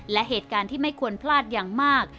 และเหตุการณ์ที่ไม่ควรพลาดอย่างมาก